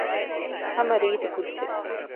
ހަމަ ރީތި ކުއްޖެއް